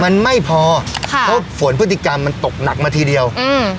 มันไม่พอค่ะเพราะฝนพฤติกรรมมันตกหนักมาทีเดียวอืม